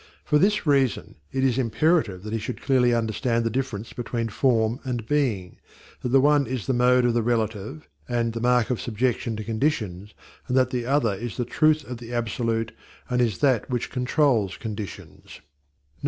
For this reason it is imperative that he should clearly understand the difference between Form and Being; that the one is the mode of the relative and, the mark of subjection to conditions, and that the other is the truth of the absolute and is that which controls conditions.